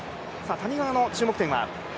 谷川の注目点は？